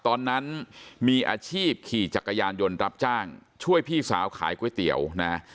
ตอนนั้นมีอาชีพขี่จักรยานยนต์รับจ้างช่วยพี่สาวขายก๋วยเตี๋ยวนะ